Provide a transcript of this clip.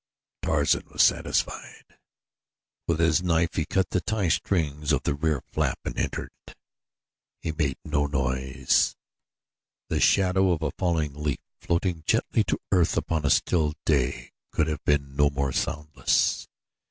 Tarzan was satisfied. With his knife he cut the tie strings of the rear flap and entered. He made no noise. The shadow of a falling leaf, floating gently to earth upon a still day, could have been no more soundless.